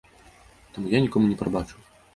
Таму я нікому не прабачу.